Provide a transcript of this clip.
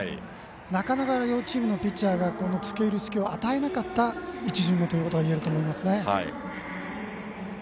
なかなか両チームのピッチャーが付け入る隙を与えなかった１巡目ということがいえると思います。